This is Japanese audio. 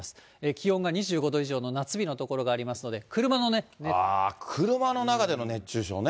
気温が２５度以上の夏日の所があ車の中での熱中症ね。